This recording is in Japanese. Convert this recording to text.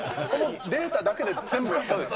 データだけで全部やってるだろ。